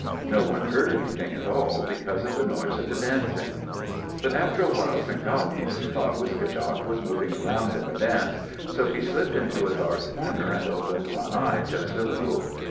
No one heard anything at all because of the noise of the dancing. But after a while Cyngabis thought Wiske djak was moving around in the dance, so he slipped into a dark corner and opened one eye just a little.